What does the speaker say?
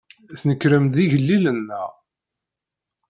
Tnekrem-d d igellilen, naɣ?